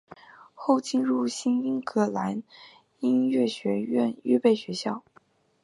后进入新英格兰音乐院预备学校。